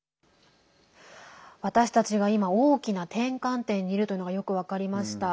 私たちが今大きな転換点にいるというのがよく分かりました。